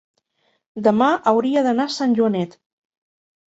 Demà hauria d'anar a Sant Joanet.